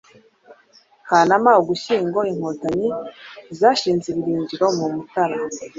Kanama–Ugushyingo, Inkotanyi zashinze ibirindiro mu Mutara,